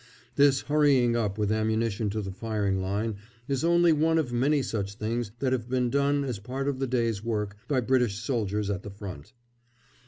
This hurrying up with ammunition to the firing line is only one of many such things that have been done as part of the day's work by British soldiers at the front.